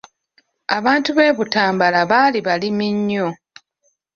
Abantu b'e Butambala baali balimi nnyo.